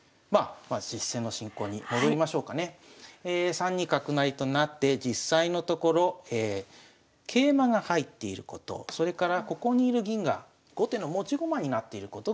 ３二角成となって実際のところ桂馬が入っていることそれからここに居る銀が後手の持ち駒になっていることが大きい。